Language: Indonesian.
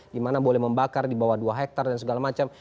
dimana boleh membakar di bawah dua hektare dan segala macam